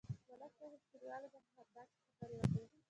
ملک صاحب کلیوالو ته داسې خبرې وکړې.